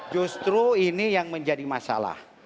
justru ini yang menjadi masalah